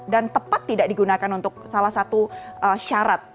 dan tepat tidak digunakan untuk salah satu syarat